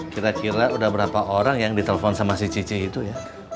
kira kira udah berapa orang yang ditelepon sama si cici itu ya